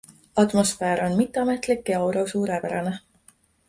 Atmosfäär on mitteametlik ja aura suurepärane.